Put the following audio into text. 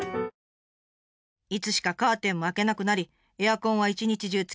いつしかカーテンも開けなくなりエアコンは一日中つけっぱなし。